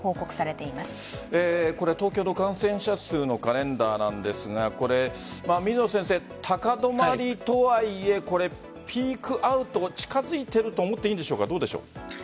東京の感染者数のカレンダーなんですが水野先生、高止まりとはいえピークアウト、近づいていると思っていいんでしょうか？